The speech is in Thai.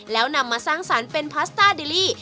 แล้วนำมาสร้างสรรค์เป็นพาสต้าดิลี่